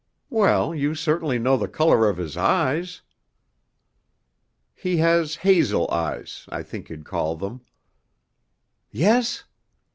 "Well, you certainly know the color of his eyes." "He has hazel eyes I think you'd call them " "Yes?"